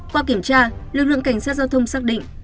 qua kiểm tra lực lượng cảnh sát giao thông xác định